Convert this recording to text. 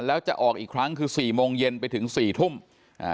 แล้วจะออกอีกครั้งคือสี่โมงเย็นไปถึงสี่ทุ่มอ่า